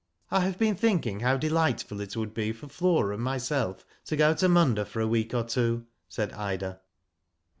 " I have been thinking how delightful it would be for Flora and myself to go to Munda for a week or two," said Ida.